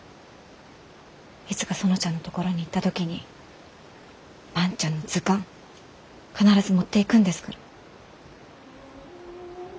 いつか園ちゃんのところに行った時に万ちゃんの図鑑必ず持っていくんですから。